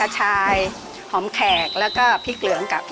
ร้อนได้ตลอดการกินของเรานะครับ